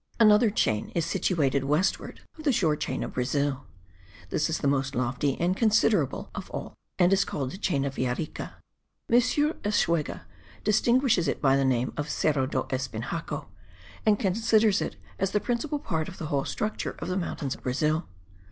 Another chain is situated westward of the shore chain of Brazil. This is the most lofty and considerable of all and is called the chain of Villarica. Mr. Eschwege distinguishes it by the name of Serra do Espinhaco and considers it as the principal part of the whole structure of the mountains of Brazil.